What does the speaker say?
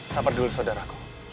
sabar dulu saudaraku